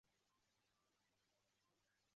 社会舆论对人大释法意见不一。